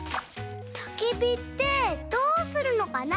たきびってどうするのかな？